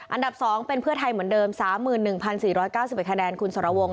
อันดับ๒เป็นเพื่อไทยเหมือนเดิม๓๑๔๙๑คะแนนคุณสรวงศ